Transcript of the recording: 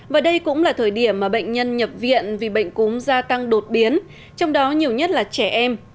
và đây cũng là thời điểm mà bệnh nhân nhập viện vì bệnh cúm gia tăng đột biến trong đó nhiều nhất là trẻ em